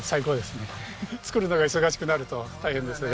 作るのが忙しくなると大変ですね。